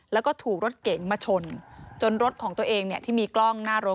แล้วก็ถูกรถเก๋งมาชนจนรถของตัวเองเนี่ยที่มีกล้องหน้ารถ